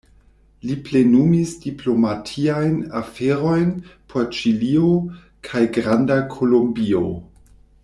Li plenumis diplomatiajn aferojn por Ĉilio kaj Granda Kolombio.